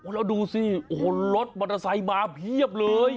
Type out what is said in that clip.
แล้วดูสิรถมอเตอร์ไทยมาเพียบเลย